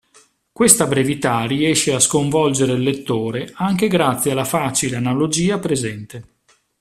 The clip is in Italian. Questa brevità riesce a sconvolgere il lettore anche grazie alla facile analogia presente.